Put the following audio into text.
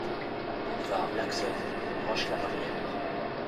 Boulevard Bergson, Roche-la-Molière